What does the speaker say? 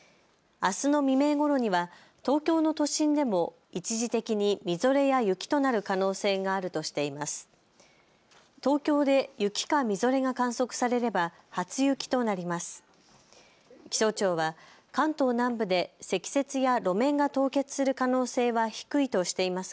あすの未明ごろには東京の都心でも一時的にみぞれや雪となる可能性があるとしています。